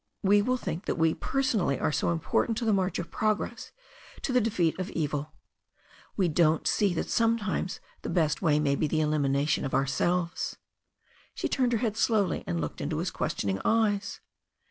We will think that we personally are so important to the march of progress, to the defeat of evil. We don't see that sometimes the best thing may be the elimination of ourselves." She turned her head slowly, and looked into his question ing eyes.